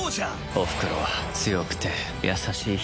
おふくろは強くて優しい人だった。